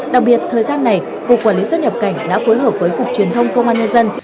đặc biệt thời gian này cục quản lý xuất nhập cảnh đã phối hợp với cục truyền thông công an nhân dân